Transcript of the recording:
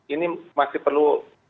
ini masih perlu